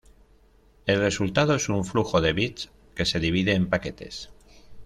El resultado es un flujo de bits que se divide en paquetes.